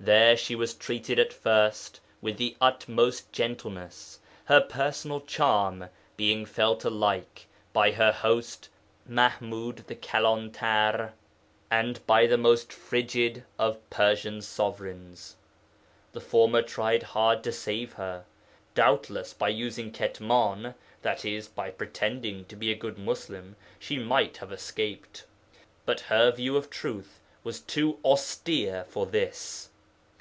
There she was treated at first with the utmost gentleness, her personal charm being felt alike by her host, Maḥmūd the Kalantar, and by the most frigid of Persian sovereigns. The former tried hard to save her. Doubtless by using Ketman (i.e. by pretending to be a good Muslim) she might have escaped. But her view of truth was too austere for this.